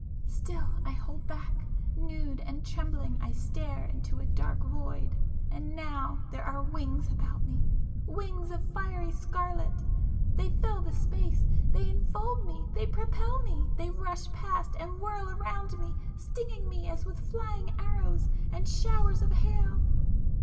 Still I hold back,—nude and trembling I stare into a dark void—and now there are wings about me,—wings of fiery scarlet!—they fill the space,—they enfold me,—they propel me,—they rush past and whirl around me, stinging me as with flying arrows and showers of hail!